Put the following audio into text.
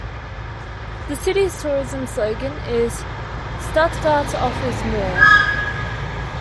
The city's tourism slogan is "Stuttgart offers more".